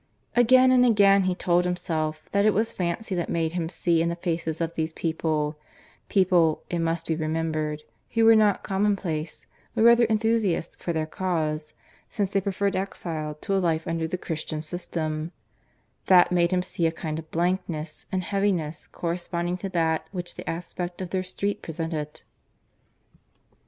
Again and again he told himself that it was fancy that made him see in the faces of these people people, it must be remembered, who were not commonplace, but rather enthusiasts for their cause, since they preferred exile to a life under the Christian system that made him see a kind of blankness and heaviness corresponding to that which the aspect of their street presented.